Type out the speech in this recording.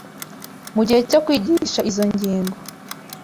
Mu gihe cyo kwigisha izo ngingo